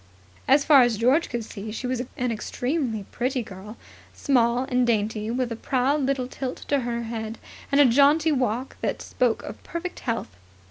As far as George could see she was an extremely pretty girl, small and dainty, with a proud little tilt to her head and the jaunty walk that spoke of perfect health.